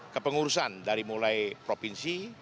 ke pengurusan dari mulai provinsi